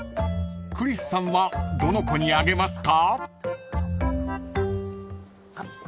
［クリスさんはどの子にあげますか？］